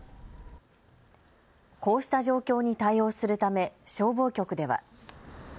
こうした状況に対応するため消防局では。